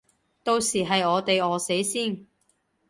到時係我哋餓死先